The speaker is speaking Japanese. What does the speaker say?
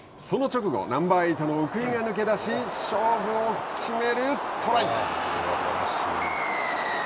その直後、ナンバーエイトの奥井が抜けだし勝負を決めるトライ。